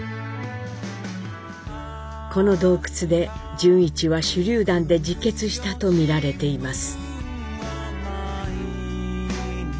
この洞窟で潤一は手りゅう弾で自決したと見られています。